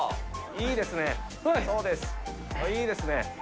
いいですね。